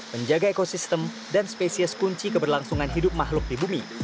menjaga ekosistem dan spesies kunci keberlangsungan hidup makhluk di bumi